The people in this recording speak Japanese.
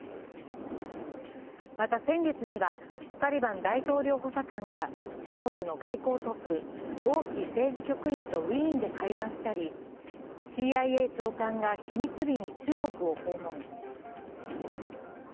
また先月には、サリバン大統領補佐官が中国の外交トップ・王毅政治局員とウィーンで会談したり、ＣＩＡ長官が秘密裏に中国を訪問。